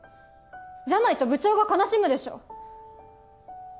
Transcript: じゃないと部長が悲しむでしょ！